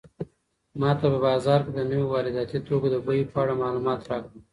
ماته په بازار کې د نويو وارداتي توکو د بیو په اړه معلومات راکړه.